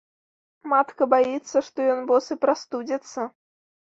Матка баіцца, што ён босы прастудзіцца.